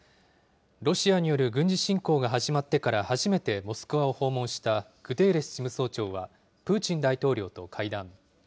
ロシアによる軍事侵攻が始まってから初めてモスクワを訪問したグテーレス事務総長はプーチン大統領と会談。